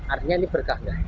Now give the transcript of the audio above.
artinya ini berkah